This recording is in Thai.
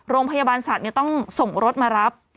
โรงพยาบาลสัตว์ต้องวันลบรับ